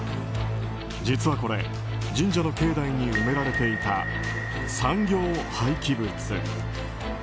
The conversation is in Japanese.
実は、これ神社の境内に埋められていた産業廃棄物。